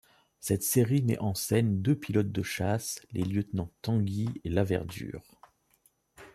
Cette série met en scène deux pilotes de chasse, les lieutenants Tanguy et Laverdure.